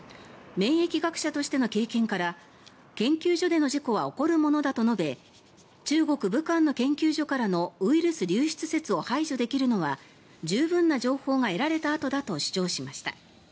免疫学者としての経験から研究所での事故は起こるものだと述べ中国・武漢の研究所からのウイルス流出説を排除できるのは十分な情報が得られたあとだと主張しました。